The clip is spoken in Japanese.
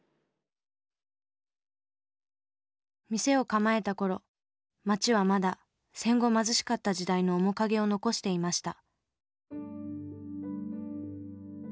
店を構えたころ街はまだ戦後貧しかった時代の面影を残していました。